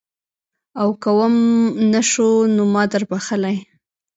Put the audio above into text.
او که وم نه شو نو ما دربخلي.